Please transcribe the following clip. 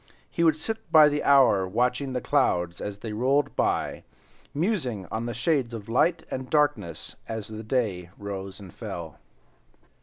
He would sit by the hour watching the clouds as they rolled by, musing on the shades of light and darkness as the day rose and fell.